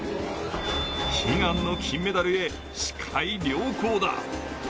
悲願の金メダルへ視界良好だ。